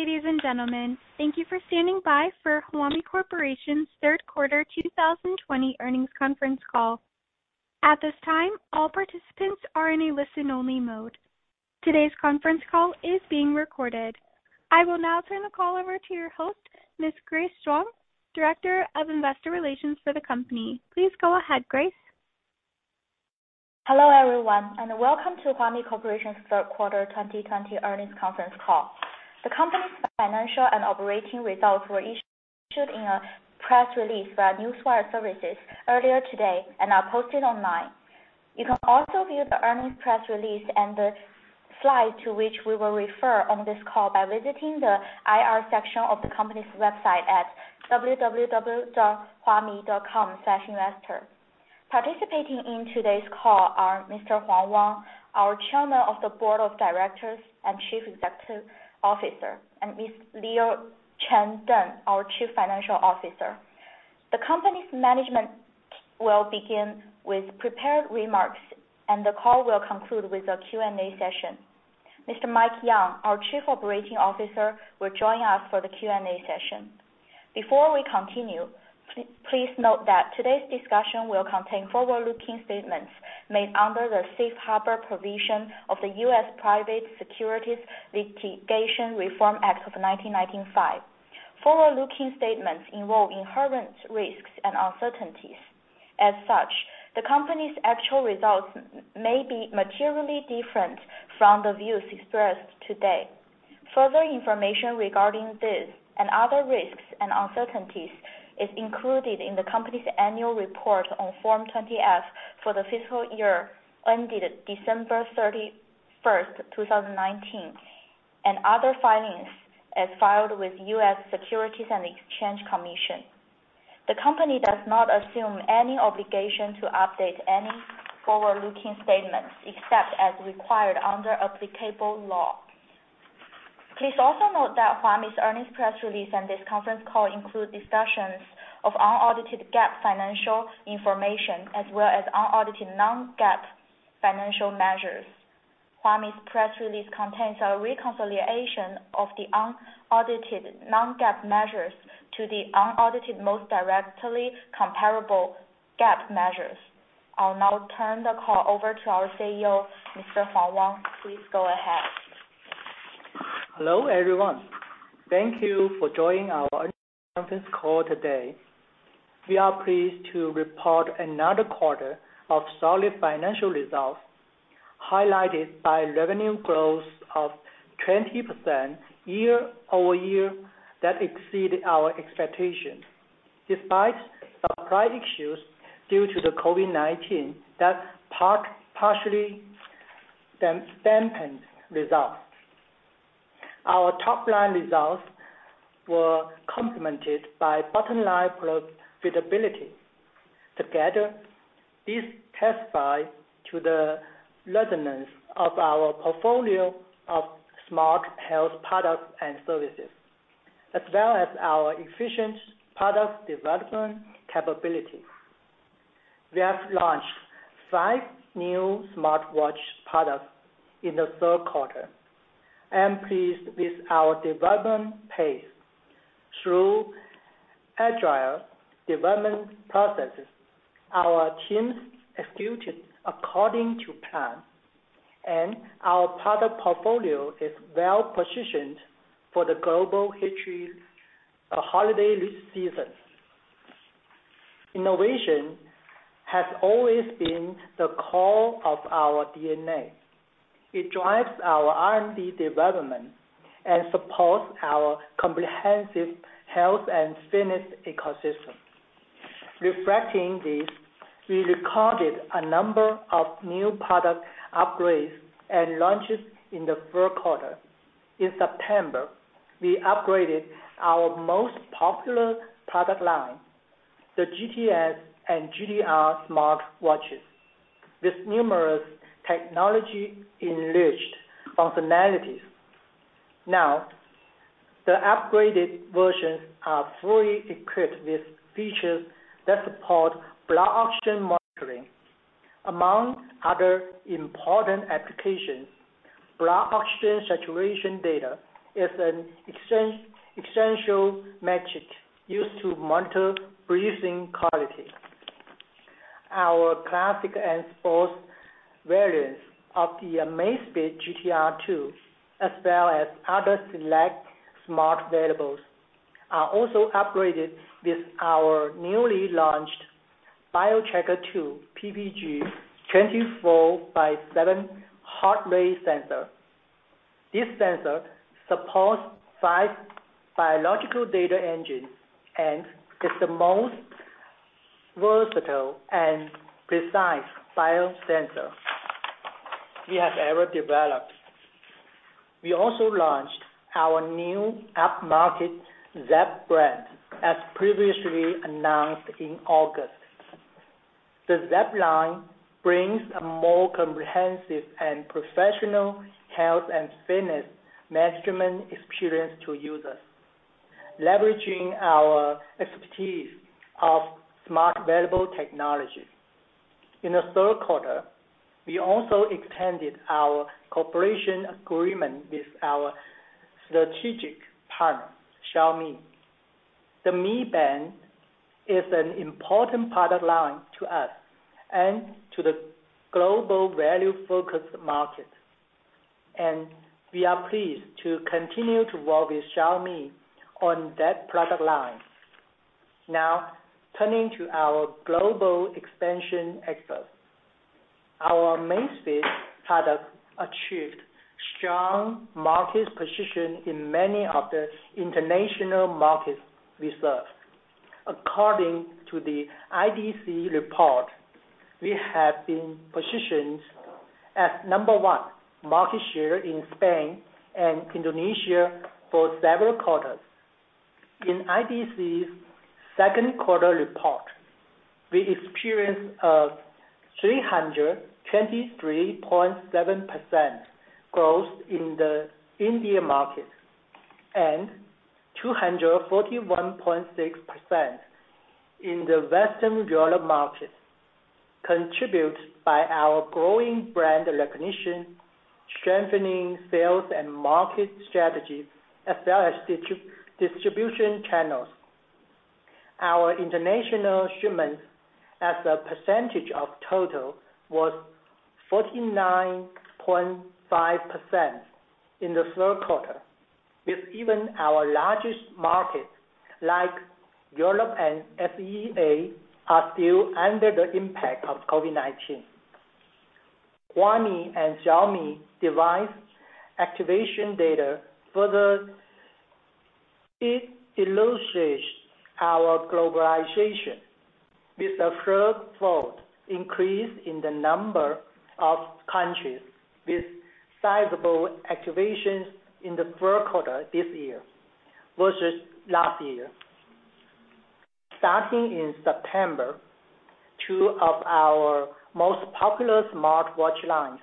Hello, ladies and gentlemen. Thank you for standing by for Huami Corporation's Third Quarter 2020 Earnings Conference call. At this time, all participants are in a listen-only mode. Today's conference call is being recorded. I will now turn the call over to your host, Ms. Grace Zhang, Director of Investor Relations for the company. Please go ahead, Grace. Hello, everyone, and welcome to Huami Corporation's third quarter 2020 earnings conference call. The company's financial and operating results were issued in a press release by Newswire Services earlier today and are posted online. You can also view the earnings press release and the slides to which we will refer on this call by visiting the IR section of the company's website at www.huami.com/investor. Participating in today's call are Mr. Wang Huang, our Chairman of the Board of Directors and Chief Executive Officer, and Ms. Leon Cheng Deng, our Chief Financial Officer. The company's management will begin with prepared remarks, and the call will conclude with a Q&A session. Mr. Mike Yeung, our Chief Operating Officer, will join us for the Q&A session. Before we continue, please note that today's discussion will contain forward-looking statements made under the Safe Harbor provision of the U.S. Private Securities Litigation Reform Act of 1995. Forward-looking statements involve inherent risks and uncertainties. As such, the company's actual results may be materially different from the views expressed today. Further information regarding this and other risks and uncertainties is included in the company's annual report on Form 20-F for the fiscal year ended December 31st, 2019, and other filings as filed with U.S. Securities and Exchange Commission. The company does not assume any obligation to update any forward-looking statements except as required under applicable law. Please also note that Huami's earnings press release and this conference call include discussions of unaudited GAAP financial information, as well as unaudited non-GAAP financial measures. Huami's press release contains a reconciliation of the unaudited non-GAAP measures to the unaudited most directly comparable GAAP measures. I'll now turn the call over to our CEO, Mr. Wang Huang. Please go ahead. Hello, everyone. Thank you for joining our earnings conference call today. We are pleased to report another quarter of solid financial results, highlighted by revenue growth of 20% year-over-year that exceeded our expectation, despite supply issues due to the COVID-19 that partially dampened results. Our top-line results were complemented by bottom-line profitability. Together, these testify to the resonance of our portfolio of smart health products and services, as well as our efficient product development capability. We have launched five new smartwatch products in the third quarter. I am pleased with our development pace. Through agile development processes, our teams executed according to plan, and our product portfolio is well-positioned for the global holiday season. Innovation has always been the core of our DNA. It drives our R&D development and supports our comprehensive health and fitness ecosystem. Reflecting this, we recorded a number of new product upgrades and launches in the third quarter. In September, we upgraded our most popular product line, the GTS and GTR smartwatches, with numerous technology-enriched functionalities. Now, the upgraded versions are fully equipped with features that support blood oxygen monitoring. Among other important applications, blood oxygen saturation data is an essential metric used to monitor breathing quality. Our classic and sports variants of the Amazfit GTR 2, as well as other select smart wearables, are also upgraded with our newly launched BioTracker 2 PPG 24/7 heart rate sensor. This sensor supports five biological data engines and is the most versatile and precise biosensor we have ever developed. We also launched our new upmarket Zepp brand, as previously announced in August. The Zepp line brings a more comprehensive and professional health and fitness measurement experience to users, leveraging our expertise of smart wearable technology. In the third quarter, we also extended our cooperation agreement with our strategic partner, Xiaomi. The Mi Band is an important product line to us and to the global value-focused market. We are pleased to continue to work with Xiaomi on that product line. Turning to our global expansion efforts. Our Amazfit product achieved strong market position in many of the international markets we serve. According to the IDC report, we have been positioned as number 1 market share in Spain and Indonesia for several quarters. In IDC's second quarter report, we experienced a 323.7% growth in the India market and 241.6% in the Western Europe market, contributed by our growing brand recognition, strengthening sales and market strategy, as well as distribution channels. Our international shipments as a percentage of total was 49.5% in the third quarter, with even our largest markets like Europe and FAA are still under the impact of COVID-19. Huami and Xiaomi device activation data further illustrates our globalization, with a threefold increase in the number of countries with sizable activations in the third quarter this year versus last year. Starting in September, two of our most popular smartwatch lines,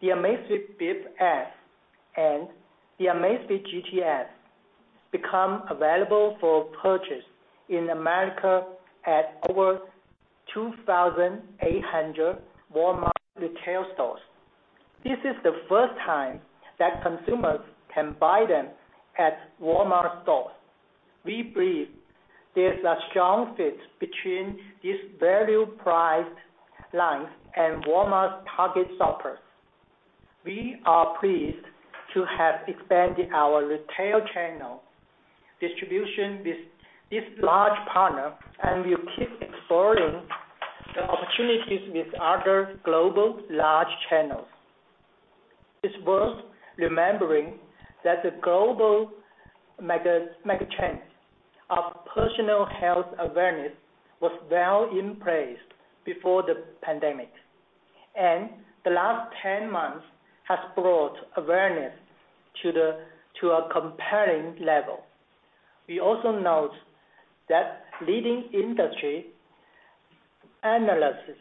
the Amazfit Bip S and the Amazfit GTS, become available for purchase in America at over 2,800 Walmart retail stores. This is the first time that consumers can buy them at Walmart stores. We believe there's a strong fit between these value priced lines and Walmart's target shoppers. We are pleased to have expanded our retail channel distribution with this large partner, and we'll keep exploring the opportunities with other global large channels. It's worth remembering that the global mega trend of personal health awareness was well in place before the pandemic, and the last 10 months has brought awareness to a compelling level. We also note that leading industry analysts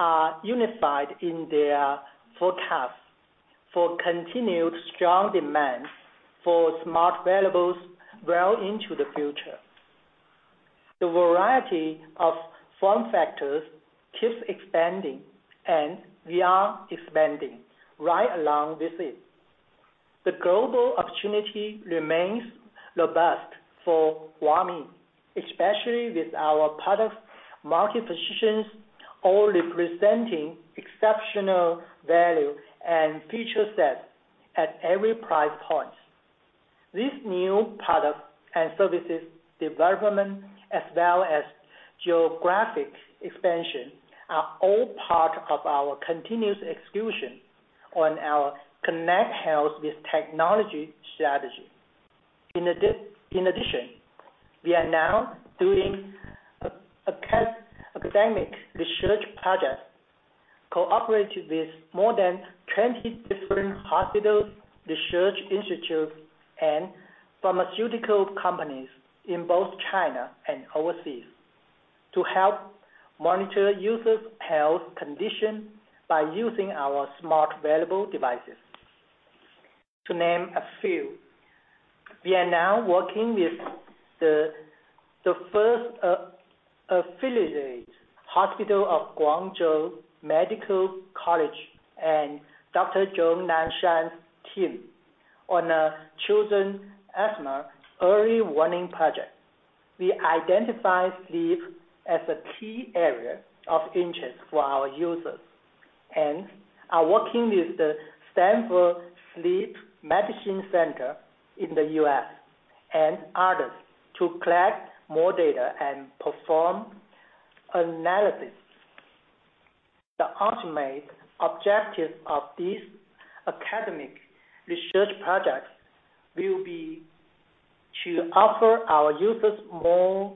are unified in their forecast for continued strong demand for smart wearables well into the future. The variety of form factors keeps expanding, and we are expanding right along with it. The global opportunity remains robust for Zepp Health, especially with our product market positions all representing exceptional value and feature set at every price point. This new product and services development as well as geographic expansion are all part of our continuous execution on our connect health with technology strategy. In addition, we are now doing academic research projects, cooperated with more than 20 different hospitals, research institutes, and pharmaceutical companies in both China and overseas to help monitor users' health condition by using our smart wearable devices. To name a few, we are now working with the First Affiliated Hospital of Guangzhou Medical University and Dr. Zhong Nanshan's team on a children asthma early warning project. We identify sleep as a key area of interest for our users and are working with the Stanford Sleep Medicine Center in the U.S. and others to collect more data and perform analysis. The ultimate objective of these academic research projects will be to offer our users more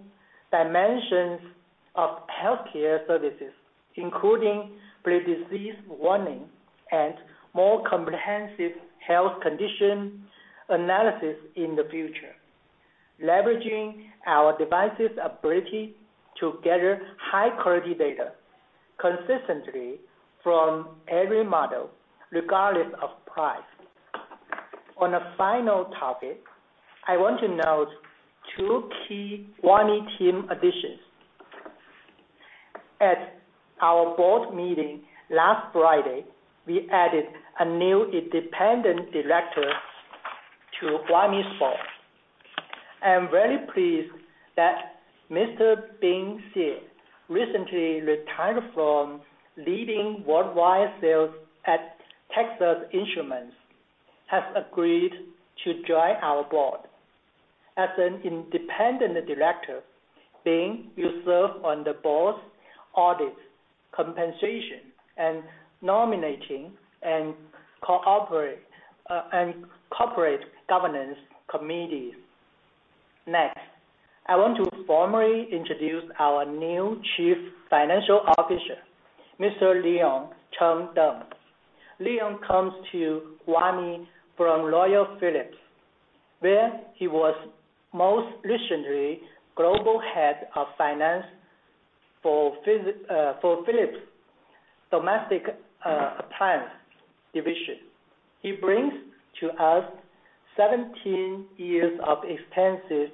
dimensions of healthcare services, including pre-disease warning and more comprehensive health condition analysis in the future, leveraging our devices' ability to gather high-quality data consistently from every model, regardless of price. On a final topic, I want to note two key Huami team additions. At our board meeting last Friday, we added a new independent director to Huami's board. I am very pleased that Mr. Bing Xie, recently retired from leading worldwide sales at Texas Instruments, has agreed to join our board. As an independent director, Bing will serve on the board's audit, compensation, and nominating and corporate governance committees. Next, I want to formally introduce our new Chief Financial Officer, Mr. Leon Cheng Deng. Leon comes to Huami from Royal Philips, where he was most recently global head of finance for Philips' domestic appliance division. He brings to us 17 years of extensive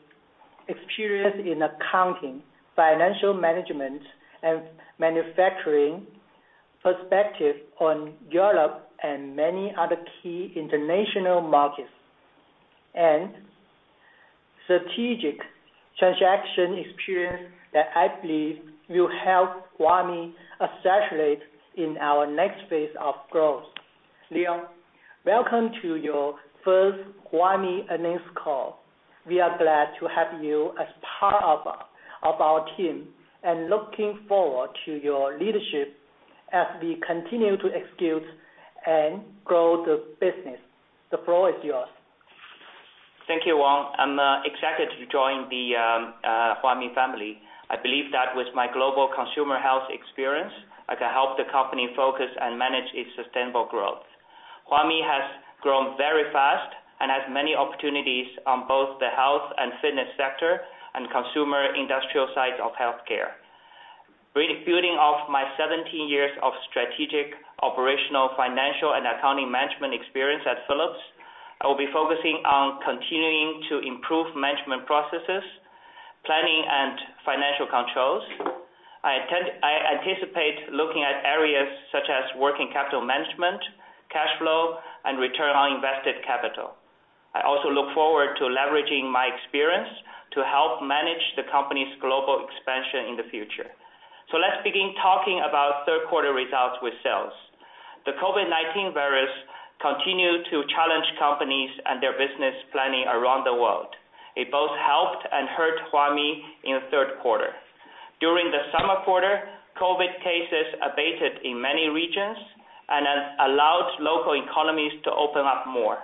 experience in accounting, financial management, and manufacturing perspective on Europe and many other key international markets, and strategic transaction experience that I believe will help Huami accelerate in our next phase of growth. Leon, welcome to your first Huami earnings call. We are glad to have you as part of our team and looking forward to your leadership as we continue to execute and grow the business. The floor is yours. Thank you, Wang Huang. I'm excited to join the Huami family. I believe that with my global consumer health experience, I can help the company focus and manage its sustainable growth. Huami has grown very fast and has many opportunities on both the health and fitness sector and consumer industrial side of healthcare. Building off my 17 years of strategic, operational, financial, and accounting management experience at Philips, I will be focusing on continuing to improve management processes, planning, and financial controls. I anticipate looking at areas such as working capital management, cash flow, and return on invested capital. I also look forward to leveraging my experience to help manage the company's global expansion in the future. Let's begin talking about third quarter results with sales. The COVID-19 virus continued to challenge companies and their business planning around the world. It both helped and hurt Huami in the third quarter. During the summer quarter, COVID cases abated in many regions and allowed local economies to open up more.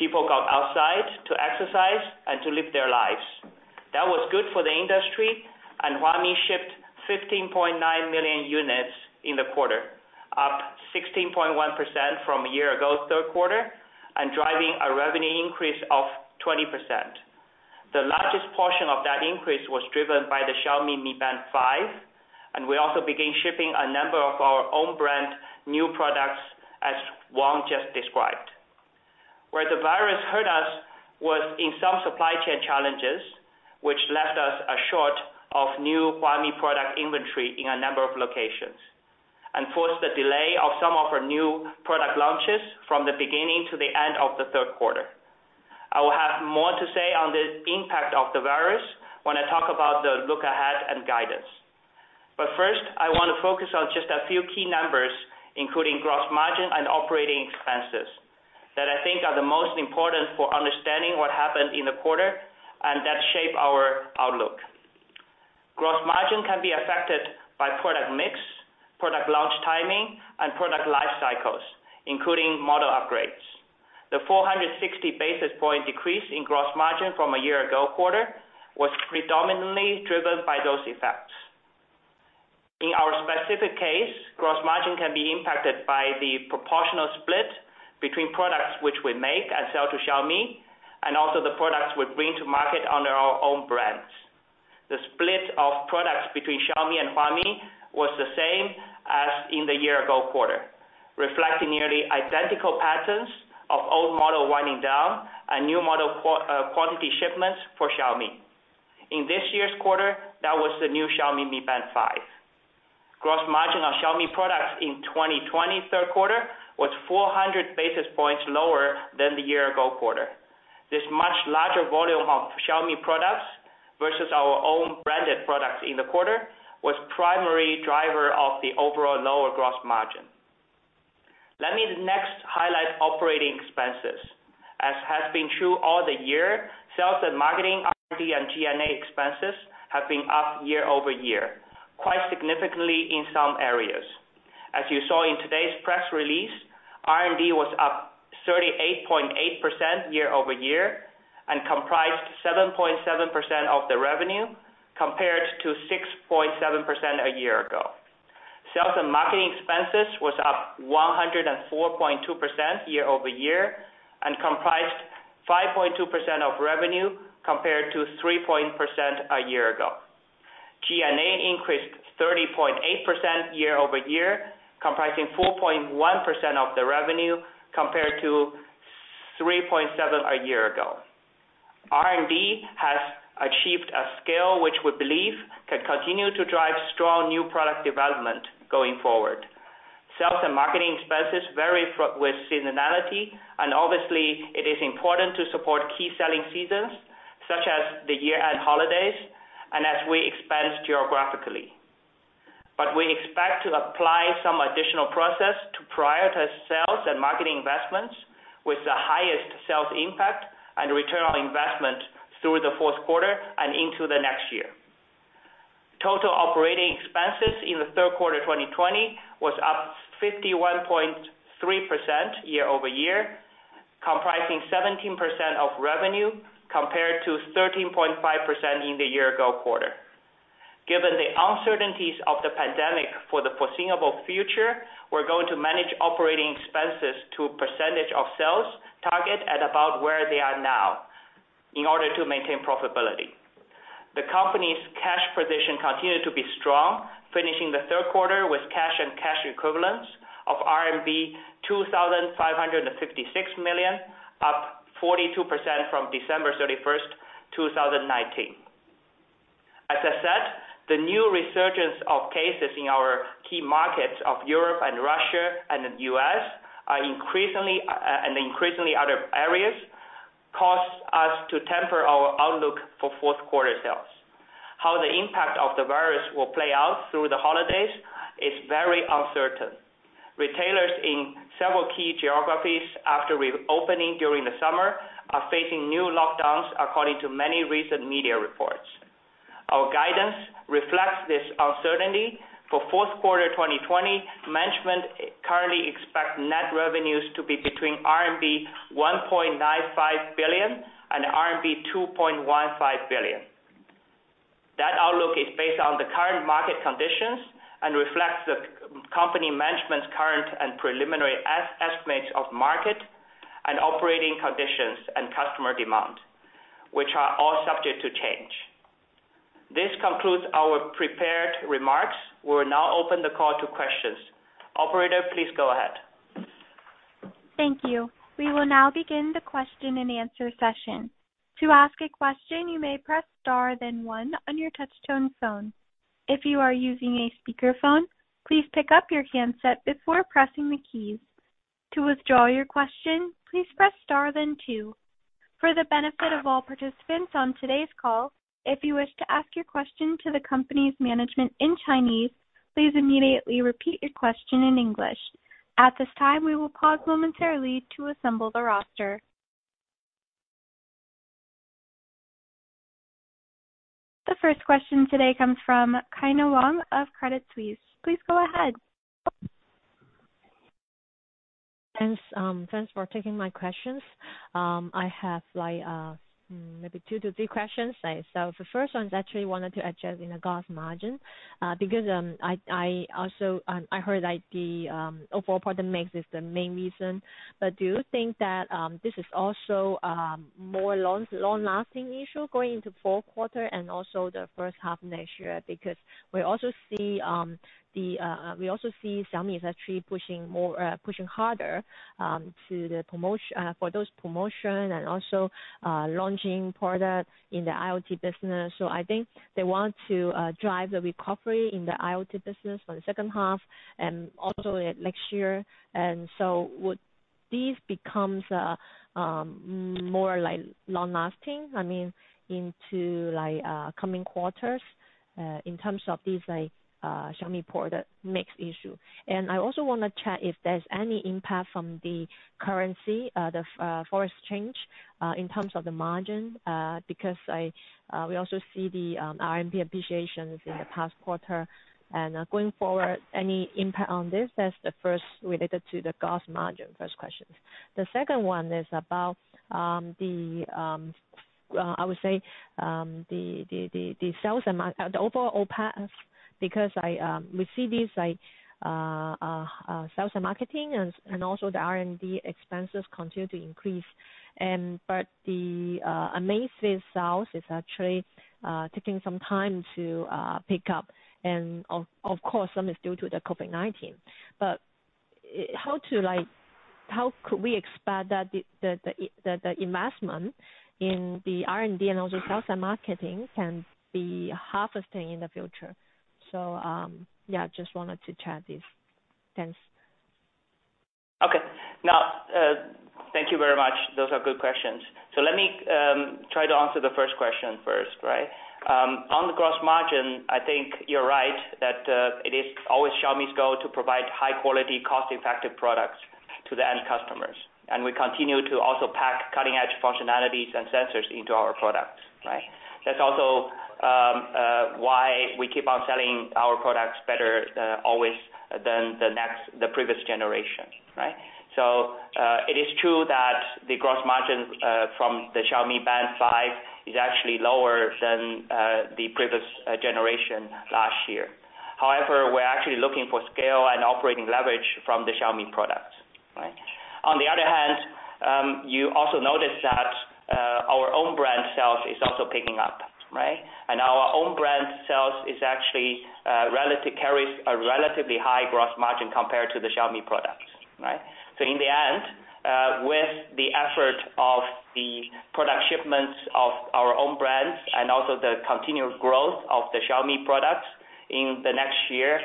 People got outside to exercise and to live their lives. That was good for the industry. Huami shipped 15.9 million units in the quarter, up 16.1% from a year-ago third quarter, driving a revenue increase of 20%. The largest portion of that increase was driven by the Xiaomi Mi Band 5. We also began shipping a number of our own brand new products, as Wong just described. Where the virus hurt us was in some supply chain challenges, which left us a short of new Huami product inventory in a number of locations and forced the delay of some of our new product launches from the beginning to the end of the third quarter. I will have more to say on the impact of the virus when I talk about the look ahead and guidance. First, I want to focus on just a few key numbers, including gross margin and operating expenses, that I think are the most important for understanding what happened in the quarter and that shape our outlook. Gross margin can be affected by product mix, product launch timing, and product life cycles, including model upgrades. The 460 basis points decrease in gross margin from a year ago quarter was predominantly driven by those effects. In our specific case, gross margin can be impacted by the proportional split between products which we make and sell to Xiaomi, and also the products we bring to market under our own brands. The split of products between Xiaomi and Huami was the same as in the year-ago quarter, reflecting nearly identical patterns of old model winding down and new model quantity shipments for Xiaomi. In this year's quarter, that was the new Xiaomi Mi Band 5. Gross margin on Xiaomi products in 2020 third quarter was 400 basis points lower than the year-ago quarter. This much larger volume of Xiaomi products versus our own branded products in the quarter was primary driver of the overall lower gross margin. Let me next highlight operating expenses. As has been true all the year, sales and marketing, R&D, and G&A expenses have been up year over year, quite significantly in some areas. As you saw in today's press release, R&D was up 38.8% year over year and comprised 7.7% of the revenue compared to 6.7% a year ago. Sales and marketing expenses were up 104.2% year-over-year and comprised 5.2% of revenue compared to 3% a year ago. G&A increased 30.8% year-over-year, comprising 4.1% of the revenue, compared to 3.7% a year ago. R&D has achieved a scale which we believe can continue to drive strong new product development going forward. Sales and marketing expenses vary with seasonality, and obviously it is important to support key selling seasons such as the year-end holidays and as we expand geographically. We expect to apply some additional process to prioritize sales and marketing investments with the highest sales impact and return on investment through the fourth quarter and into the next year. Total operating expenses in the third quarter 2020 were up 51.3% year-over-year, comprising 17% of revenue, compared to 13.5% in the year-ago quarter. Given the uncertainties of the pandemic for the foreseeable future, we're going to manage operating expenses to a percentage of sales target at about where they are now in order to maintain profitability. The company's cash position continued to be strong, finishing the third quarter with cash and cash equivalents of RMB 2,556 million, up 42% from December 31st, 2019. As I said, the new resurgence of cases in our key markets of Europe and Russia and the U.S., and increasingly other areas, caused us to temper our outlook for fourth quarter sales. How the impact of the virus will play out through the holidays is very uncertain. Retailers in several key geographies, after reopening during the summer, are facing new lockdowns, according to many recent media reports. Our guidance reflects this uncertainty. For fourth quarter 2020, management currently expects net revenues to be between RMB 1.95 billion and RMB 2.15 billion. That outlook is based on the current market conditions and reflects the company management's current and preliminary estimates of market and operating conditions and customer demand, which are all subject to change. This concludes our prepared remarks. We will now open the call to questions. Operator, please go ahead. Thank you. We will now begin the question and answer session. For the benefit of all participants on today's call, if you wish to ask your question to the company's management in Chinese, please immediately repeat your question in English. The first question today comes from Kyna Wong of Credit Suisse. Please go ahead. Thanks for taking my questions. I have maybe two to three questions. The first one is actually wanted to address the gross margin, because I heard that the overall product mix is the main reason. Do you think that this is also a more long-lasting issue going into the fourth quarter and also the first half next year? We also see Xiaomi is actually pushing harder for those promotions and also launching products in the IoT business. I think they want to drive the recovery in the IoT business for the second half and also next year. Would this become more long-lasting, I mean, into coming quarters in terms of this Xiaomi product mix issue? I also want to check if there's any impact from the currency, the foreign exchange, in terms of the margin, because we also see the RMB appreciations in the past quarter. Going forward, any impact on this? That's the first related to the gross margin. First question. The second one is about, I would say, the overall OPEX, because we see these sales and marketing and also the R&D expenses continue to increase. The Amazfit sales is actually taking some time to pick up, and of course, some is due to the COVID-19. How could we expect that the investment in the R&D and also sales and marketing can be harvested in the future? Yeah, just wanted to check this. Thanks. Okay. Now. Thank you very much. Those are good questions. Let me try to answer the first question first, right? On the gross margin, I think you're right that it is always Xiaomi's goal to provide high-quality, cost-effective products to the end customers. We continue to also pack cutting-edge functionalities and sensors into our products, right? That's also why we keep on selling our products better always than the previous generation, right? It is true that the gross margin from the Xiaomi Band 5 is actually lower than the previous generation last year. However, we're actually looking for scale and operating leverage from the Xiaomi products. On the other hand, you also notice that our own brand sales is also picking up. Our own brand sales actually carries a relatively high gross margin compared to the Xiaomi products. In the end, with the effort of the product shipments of our own brands and also the continued growth of the Xiaomi products in the next year,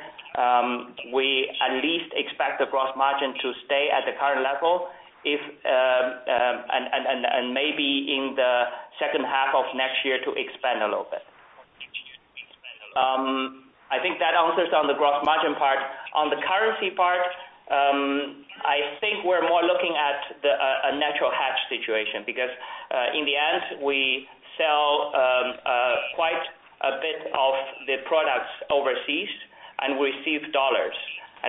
we at least expect the gross margin to stay at the current level, and maybe in the second half of next year to expand a little bit. I think that answers on the gross margin part. On the currency part, I think we're more looking at a natural hedge situation because, in the end, we sell quite a bit of the products overseas and receive dollars.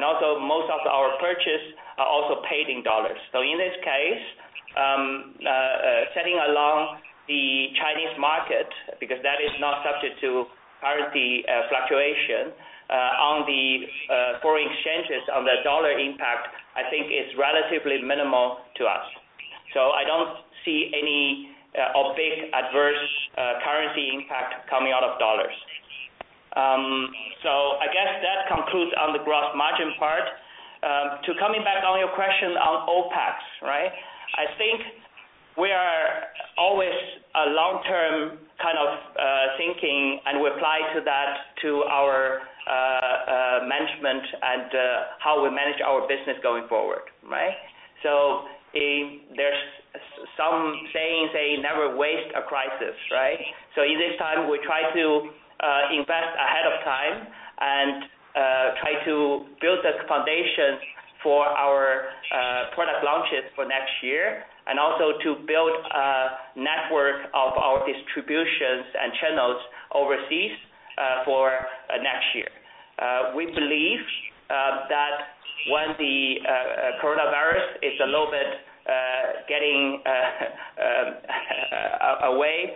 Also most of our purchase are also paid in dollars. In this case, setting along the Chinese market, because that is not subject to currency fluctuation, on the foreign exchanges on the dollar impact, I think it's relatively minimal to us. I don't see any big adverse currency impact coming out of dollars. I guess that concludes on the gross margin part. To coming back on your question on OpEx. I think we are always a long-term kind of thinking and we apply to that to our management and how we manage our business going forward. There's some saying, say, never waste a crisis, right? In this time, we try to invest ahead of time and try to build the foundation for our product launches for next year and also to build a network of our distributions and channels overseas for next year. We believe that when the coronavirus is a little bit getting away,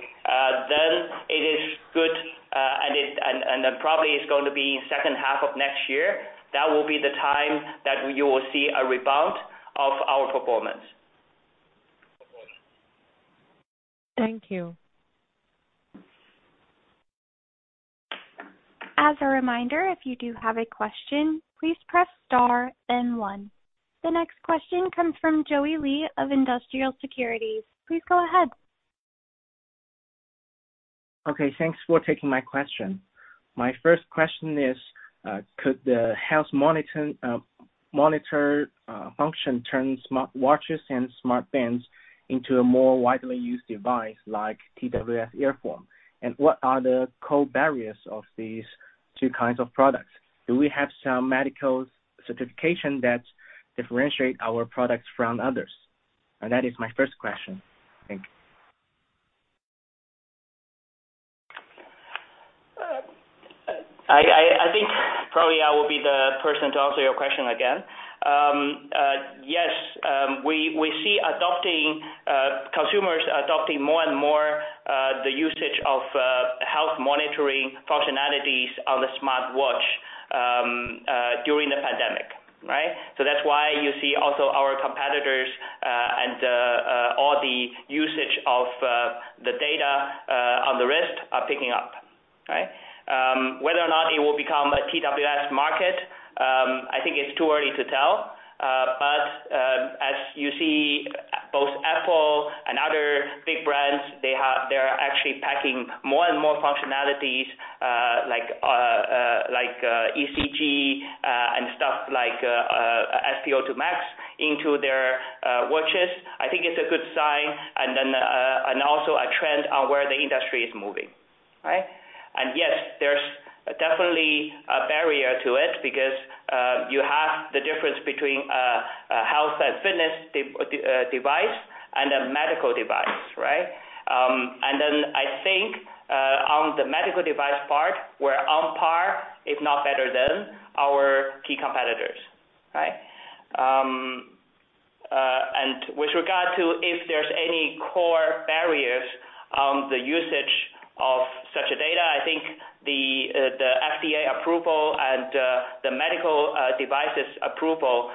then it is good, and then probably it's going to be second half of next year. That will be the time that you will see a rebound of our performance. Thank you. As a reminder, if you do have a question, please press star then one. The next question comes from Joey Lee of Industrial Securities. Please go ahead. Okay, thanks for taking my question. My first question is, could the health monitor function turn smartwatches and smart bands into a more widely used device like TWS earphone? What are the core barriers of these two kinds of products? Do we have some medical certification that differentiate our products from others? That is my first question. Thank you. I think probably I will be the person to answer your question again. Yes, we see consumers adopting more and more the usage of health monitoring functionalities on the smartwatch during the pandemic. That's why you see also our competitors and all the usage of the data on the wrist are picking up. Whether or not it will become a TWS market, I think it's too early to tell. As you see both Apple and other big brands, they are actually packing more and more functionalities like ECG and stuff like SpO2 max into their watches. I think it's a good sign and also a trend on where the industry is moving. Yes, there's definitely a barrier to it because you have the difference between a health and fitness device and a medical device. Then I think on the medical device part, we're on par, if not better than our key competitors. With regard to if there's any core barriers on the usage of such data, I think the FDA approval and the medical devices approval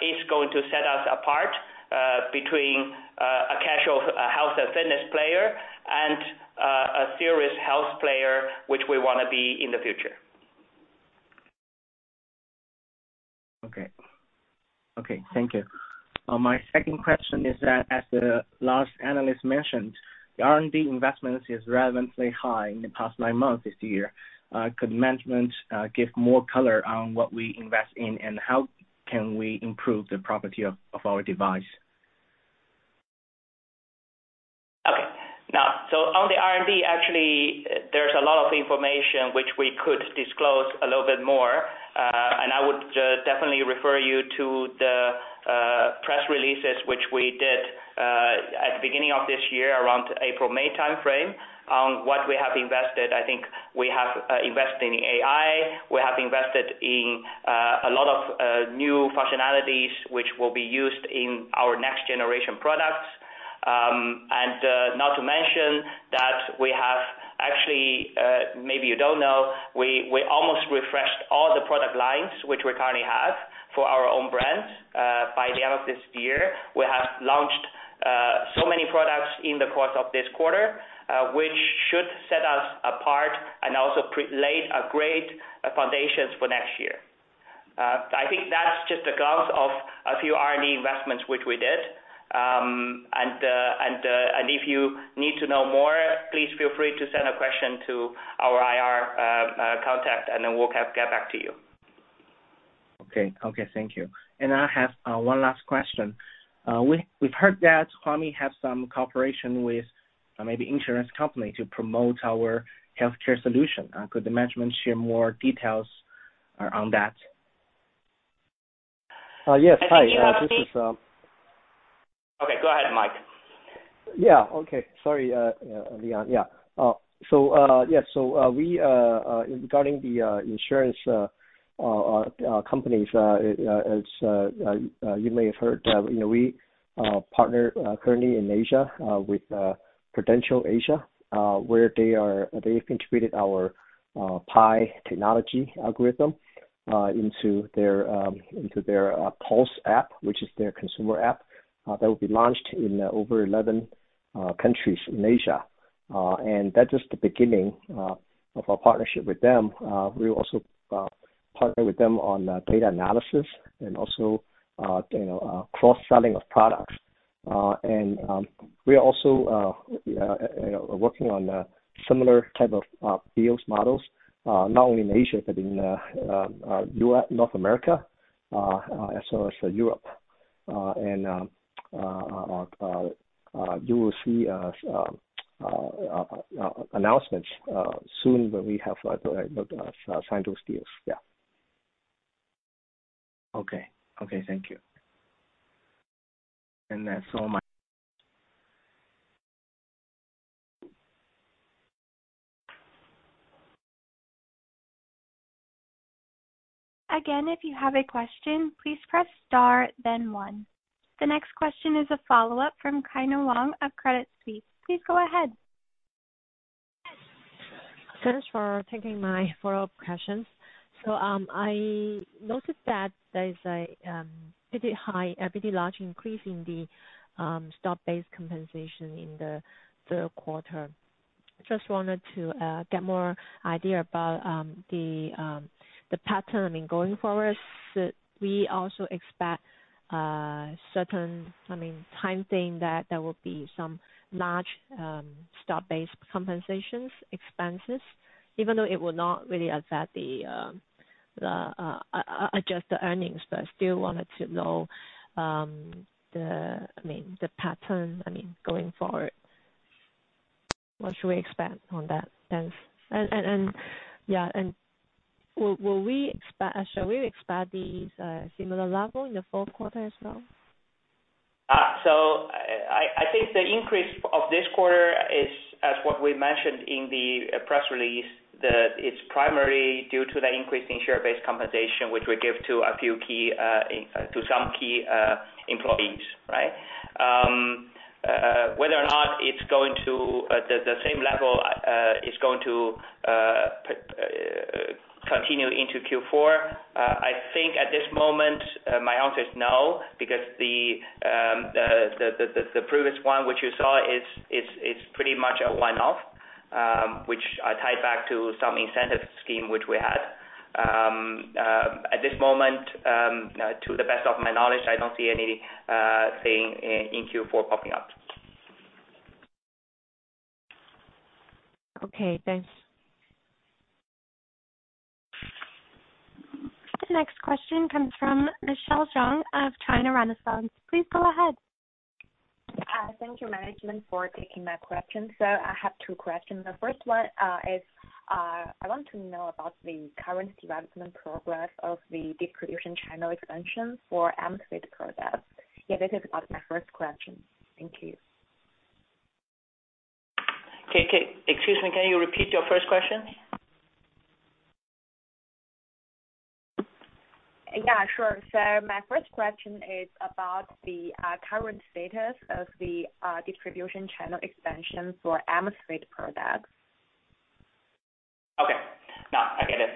is going to set us apart between a casual health and fitness player and a serious health player, which we want to be in the future. Okay. Thank you. My second question is that as the last analyst mentioned, the R&D investments is relatively high in the past nine months this year. Could management give more color on what we invest in and how can we improve the property of our device? Okay. On the R&D, actually, there's a lot of information which we could disclose a little bit more. I would definitely refer you to the press releases which we did at the beginning of this year around April, May timeframe on what we have invested. I think we have invested in AI, we have invested in a lot of new functionalities which will be used in our next generation products. Not to mention that if you don't know, we almost refreshed all the product lines which we currently have for our own brands. By the end of this year, we have launched so many products in the course of this quarter, which should set us apart and also lay a great foundation for next year. I think that's just a glance of a few R&D investments which we did. If you need to know more, please feel free to send a question to our IR contact, and then we'll get back to you. Okay. Thank you. I have one last question. We've heard that Huami have some cooperation with maybe insurance company to promote our healthcare solution. Could the management share more details on that? Yes. Hi. Okay, go ahead, Mike. Yeah. Okay. Sorry, Leon Cheng Deng. Regarding the insurance companies, as you may have heard, we partner currently in Asia with Prudential Asia, where they've integrated our PAI technology algorithm into their Pulse app, which is their consumer app that will be launched in over 11 countries in Asia. That's just the beginning of our partnership with them. We also partner with them on data analysis and also cross-selling of products. We are also working on similar type of deals models, not only in Asia, but in North America, as well as Europe. You will see announcements soon when we have signed those deals. Yeah. Okay. Thank you. That's all. Again, if you have a question, please press star then one. The next question is a follow-up from Kyna Wong of Credit Suisse. Please go ahead. Thanks for taking my follow-up questions. I noticed that there is a pretty large increase in the stock-based compensation in the third quarter. I just wanted to get more idea about the pattern. I mean, going forward, should we also expect certain timing that there will be some large stock-based compensations expenses, even though it will not really adjust the earnings, I still wanted to know the pattern going forward. What should we expect on that sense? Should we expect these similar level in the fourth quarter as well? I think the increase of this quarter is as what we mentioned in the press release, that it's primarily due to the increase in share-based compensation, which we give to some key employees, right? Whether or not the same level is going to continue into Q4, I think at this moment my answer is no, because the previous one which you saw is pretty much a one-off, which tied back to some incentive scheme which we had. At this moment, to the best of my knowledge, I don't see anything in Q4 popping up. Okay, thanks. The next question comes from Michelle Zhang of China Renaissance. Please go ahead. Thank you, management, for taking my question. I have two questions. The first one is I want to know about the current development progress of the distribution channel expansion for Amazfit products. Yeah, this is about my first question. Thank you. Okay. Excuse me, can you repeat your first question? Yeah, sure. My first question is about the current status of the distribution channel expansion for Amazfit products. Okay. No, I get it.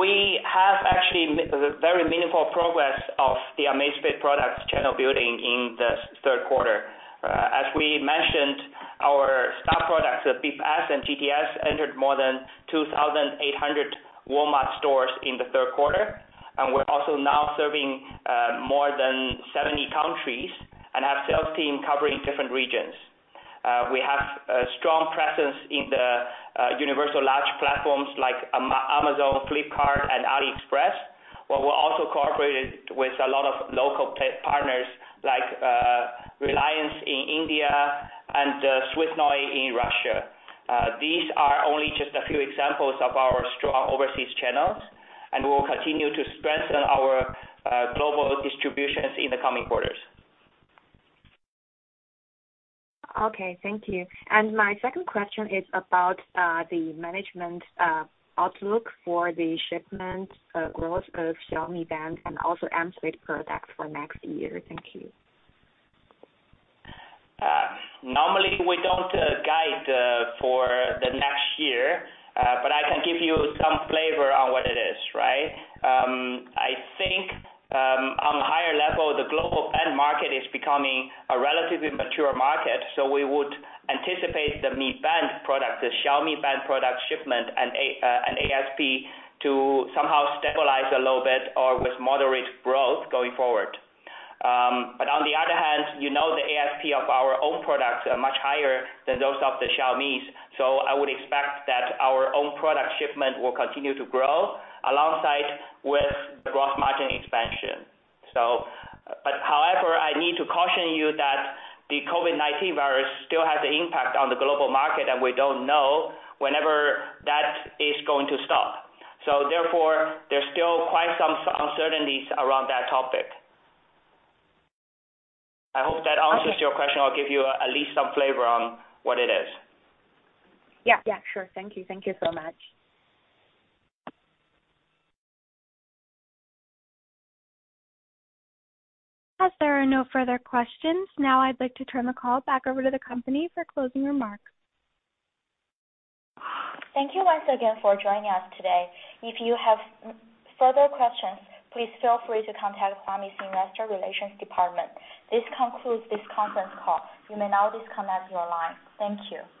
We have actually very meaningful progress of the Amazfit products channel building in the third quarter. As we mentioned, our star products, the Bip S and GTS, entered more than 2,800 Walmart stores in the third quarter. We're also now serving more than 70 countries and have sales team covering different regions. We have a strong presence in the universal large platforms like Amazon, Flipkart and AliExpress, but we're also cooperated with a lot of local partners like Reliance in India and Svyaznoy in Russia. These are only just a few examples of our strong overseas channels, and we will continue to strengthen our global distributions in the coming quarters. Okay, thank you. My second question is about the management outlook for the shipment growth of Mi Band and also Amazfit products for next year. Thank you. Normally, we don't guide for the next year, but I can give you some flavor on what it is, right? I think on the higher level, the global band market is becoming a relatively mature market. We would anticipate the Mi Band product, the Xiaomi Band product shipment and ASP to somehow stabilize a little bit or with moderate growth going forward. On the other hand, you know the ASP of our own products are much higher than those of the Xiaomi's. I would expect that our own product shipment will continue to grow alongside with the gross margin expansion. However, I need to caution you that the COVID-19 virus still has an impact on the global market, and we don't know whenever that is going to stop. Therefore, there's still quite some uncertainties around that topic. I hope that answers your question or give you at least some flavor on what it is. Yeah. Sure. Thank you. Thank you so much. As there are no further questions, now I'd like to turn the call back over to the company for closing remarks. Thank you once again for joining us today. If you have further questions, please feel free to contact Huami's Investor Relations department. This concludes this conference call. You may now disconnect your line. Thank you.